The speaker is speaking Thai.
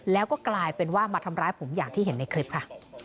แล้วก็กลายเป็นว่ามาทำร้ายผมอย่างที่เห็นในคลิปค่ะ